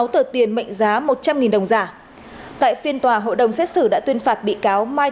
sáu tờ tiền mệnh giá một trăm linh đồng giả tại phiên tòa hội đồng xét xử đã tuyên phạt bị cáo mai